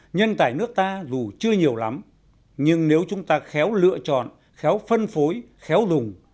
nhân tài nước ta dù chưa nhiều lắm nhưng nếu chúng ta khéo lựa chọn khéo phân phối khéo dùng